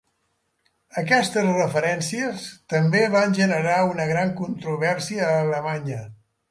Aquestes referències també van generar una gran controvèrsia a Alemanya.